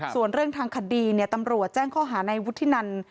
ส่วนเรื่องทางคดีตำรวจแจ้งข้อหาในวุฒินัน